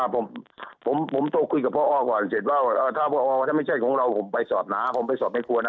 อ่าผมผมผมต้องคุยกับพ่อออก่อนเสร็จแล้วอ่าถ้าพ่อออก่อนถ้าไม่ใช่ของเราผมไปสอบหนาผมไปสอบแม่ครัวนะ